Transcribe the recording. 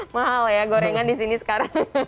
mahal ya gorengan di sini sekarang